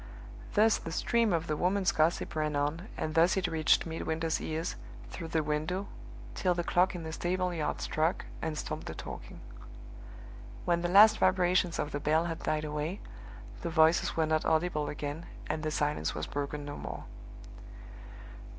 Thus the stream of the woman's gossip ran on, and thus it reached Midwinter's ears through the window, till the clock in the stable yard struck, and stopped the talking. When the last vibrations of the bell had died away, the voices were not audible again, and the silence was broken no more.